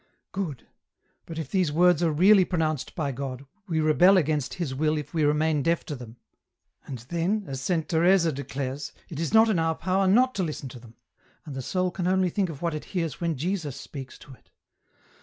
*" Good — but if these words are really pronounced by God, we rebel against His will if we remain deaf to them. And then, as Saint Teresa declares, it is not in our power not to EN ROUTE. 89 listen to them, and the soul can only think of what it hears when Jesus speaks to it.